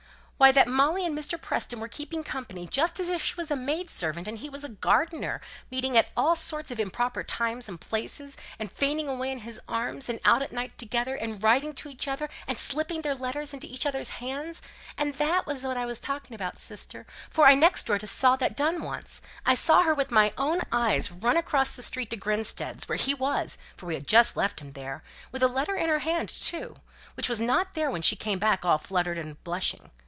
"Why, that Molly and Mr. Preston were keeping company just as if she was a maid servant and he was a gardener: meeting at all sorts of improper times and places, and fainting away in his arms, and out at night together, and writing to each other, and slipping their letters into each other's hands; and that was what I was talking about, sister, for I next door to saw that done once. I saw her with my own eyes run across the street to Grinstead's, where he was, for we had just left him there; with a letter in her hand, too, which was not there when she came back all fluttered and blushing.